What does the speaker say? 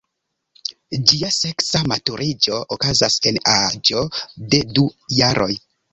Ĝia seksa maturiĝo okazas en aĝo de du jaroj.